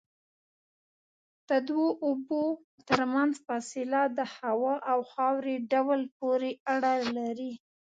د دوو اوبو ترمنځ فاصله د هوا او خاورې ډول پورې اړه لري.